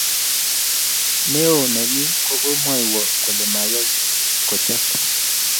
neo nenyu ko komwaiwo kole mayai kuchot